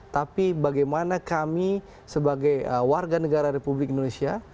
tapi bagaimana kami sebagai warga negara republik indonesia